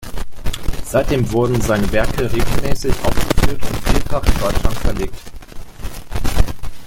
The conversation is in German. Seitdem wurden seine Werke regelmäßig aufgeführt und vielfach in Deutschland verlegt.